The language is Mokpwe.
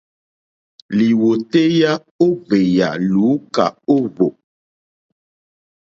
Lìwòtéyá ó gbèyà lùúkà ó hwò.